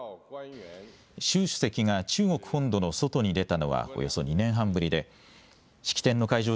習主席が中国本土の外に出たのはおよそ２年半ぶりで、式典の会場